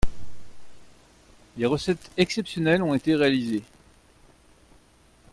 Les recettes exceptionnelles ont été réalisées